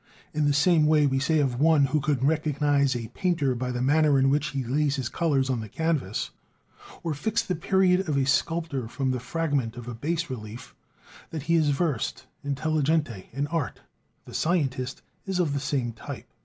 In the same way we say of one who can recognize a painter by the manner in which he lays his colors on the canvas, or fix the period of a sculptor from the fragment of a bas relief, that he is "versed (intelligente) in art." The scientist is of the same type.